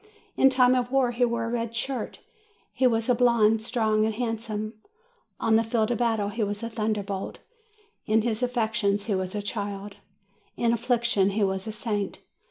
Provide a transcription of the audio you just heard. In time of war he wore a red shirt. He was a blonde, strong and handsome. On the field of battle he was a thunder bolt; in his affections he was a child, in affliction he was a saint.